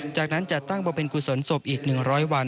จากนั้นจัดตั้งบริเวณกุศลศพอีก๑๐๐วัน